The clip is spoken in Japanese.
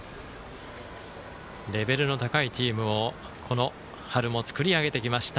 レベルの高いチームをこの春も作り上げてきました